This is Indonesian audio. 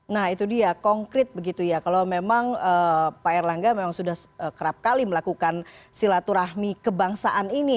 nah itu dia konkret begitu ya kalau memang pak erlangga memang sudah kerap kali melakukan silaturahmi kebangsaan ini